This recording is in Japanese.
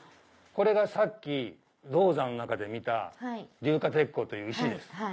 これがさっき銅山の中で見た硫化鉄鉱という石です。